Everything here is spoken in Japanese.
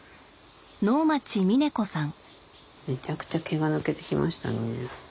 めちゃくちゃ毛が抜けてきましたのね。